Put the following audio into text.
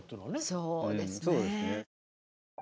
そうですね。